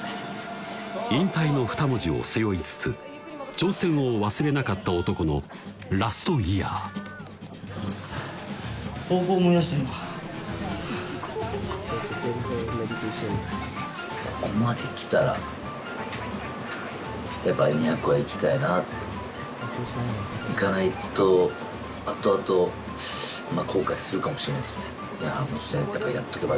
「引退」の二文字を背負いつつ挑戦を忘れなかった男のラストイヤーここまで来たらやっぱいかないと後々いや